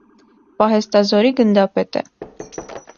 Պահեստազորի գնդապետ է։